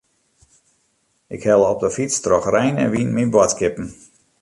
Ik helle op 'e fyts troch rein en wyn myn boadskippen.